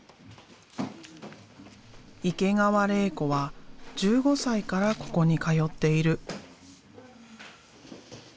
池川れい子は１５歳からここに通っている。